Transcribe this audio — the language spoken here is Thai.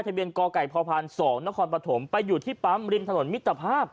เบียนกไก่พพ๒นครปฐมไปอยู่ที่ปั๊มริมถนนมิตรภาพ